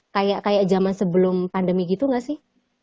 kayak kayak zaman sebelum pandemi gitu gak sih